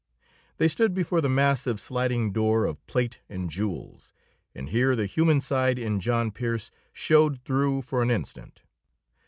They stood before the massive sliding door of plate and jewels, and here the human side in John Pearse showed through for an instant.